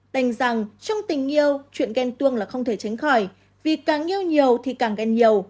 đành rằng trong tình yêu chuyện ghen tuông là không thể tránh khỏi vì càng yêu nhiều thì càng ghen nhiều